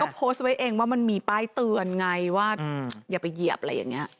เขาโพสต์ไว้เองว่ามันมีป้ายเตือนไงว่าอย่าไปเหยียบอะไรอย่างนี้